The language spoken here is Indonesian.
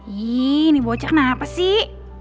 ini bocah kenapa sih